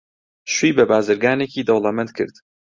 شووی بە بازرگانێکی دەوڵەمەند کرد.